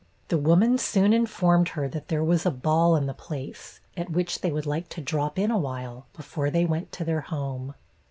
The woman soon informed her that there was a ball in the place, at which they would like to drop in a while, before they went to their home.